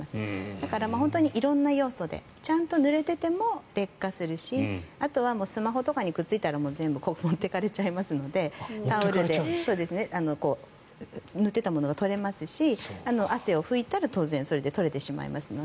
だから、本当に色んな要素でちゃんと塗れていても劣化するしあとはスマホとかにくっついたら全部持っていかれちゃいますので塗っていたものが取れますし汗を拭いたら当然それで取れてしまいますので。